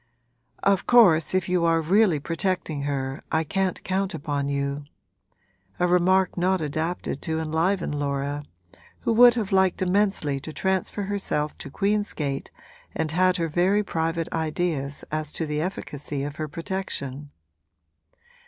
'Of course if you are really protecting her I can't count upon you': a remark not adapted to enliven Laura, who would have liked immensely to transfer herself to Queen's Gate and had her very private ideas as to the efficacy of her protection.